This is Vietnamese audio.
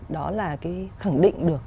đó là khẳng định được